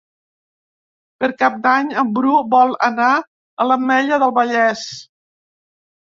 Per Cap d'Any en Bru vol anar a l'Ametlla del Vallès.